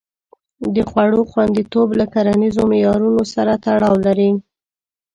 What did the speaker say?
د خوړو خوندیتوب له کرنیزو معیارونو سره تړاو لري.